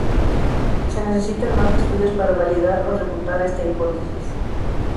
Se necesitan más estudios para validar o refutar esta hipótesis.